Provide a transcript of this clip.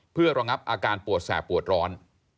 เพื่อระงับอาการปวดแสบปวดร้อน